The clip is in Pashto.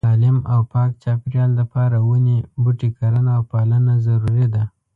د سالیم او پاک چاپيريال د پاره وني بوټي کرنه او پالنه ضروري ده